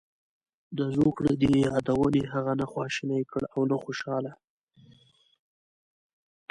د زوکړې دې یادونې هغه نه خواشینی کړ او نه خوشاله.